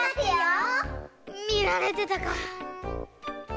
みられてたかぁ。